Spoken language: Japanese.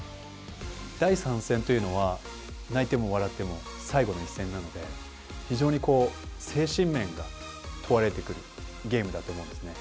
第３戦というのは泣いても笑っても最後の一戦なので非常に精神面が問われてくるゲームだと思うんですね。